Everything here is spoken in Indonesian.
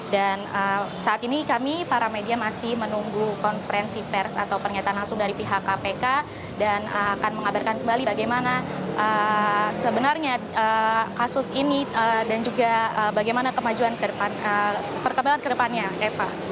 dan saat ini kami para media masih menunggu konferensi pers atau pernyataan langsung dari pihak kpk dan akan mengabarkan kembali bagaimana sebenarnya kasus ini dan juga bagaimana perkembangan ke depannya eva